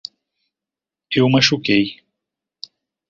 Eu machuquei